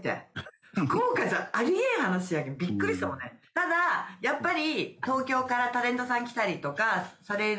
ただやっぱり」